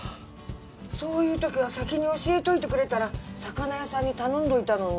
そういう時は先に教えておいてくれたら魚屋さんに頼んでおいたのに。